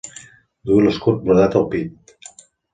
Duia l'escut brodat al pit.